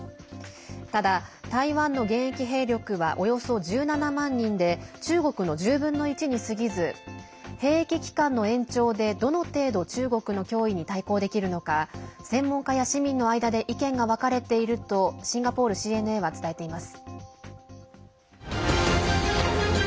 ただ、台湾の現役兵力はおよそ１７万人で中国の１０分の１にすぎず兵役期間の延長でどの程度中国の脅威に対抗できるのか専門家や市民の間で意見が分かれているとシンガポールＣＮＡは伝えています。